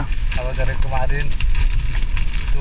assalamualaikum warahmatullahi wabarakatuh